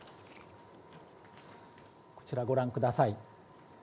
こちらご覧ください。